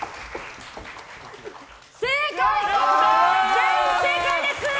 全員正解です！